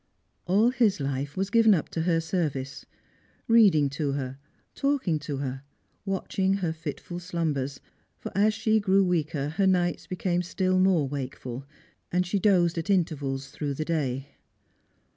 All his life was given up to her service, reading to her, talking to her, watching her fitful slumbers; for as she grew weaker her nights became still more wakeful, and she dozed at intervals through the day.